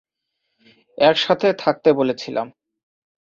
একসাথে থাকতে বলেছিলাম।